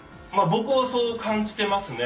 僕はそう感じてますね。